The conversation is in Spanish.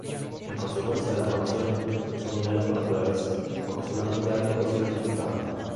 En consecuencia, las opciones son binarias por naturaleza, porque solamente hay dos posibles resultados.